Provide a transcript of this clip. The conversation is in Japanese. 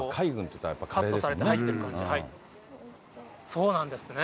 そうなんですか。